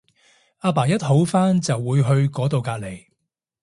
阿爸一好翻就會去嗰到隔離